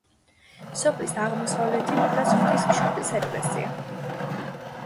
სოფლის აღმოსავლეთით დგას ღვთისმშობლის ეკლესია.